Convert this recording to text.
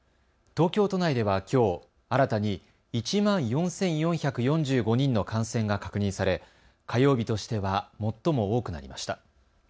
東京都内ではきょう新たに１万４４４５人の感染が確認され火曜日としては最も多くなりました。